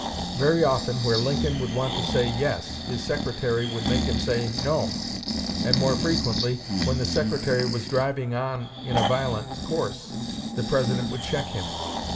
Very often where Lincoln would want to say Yes, his Secretary would make him say No; and more frequently, when the Secretary was driving on in a violent course, the President would check him.